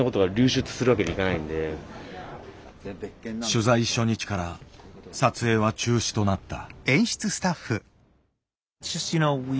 取材初日から撮影は中止となった。